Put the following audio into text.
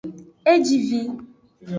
E ji vi.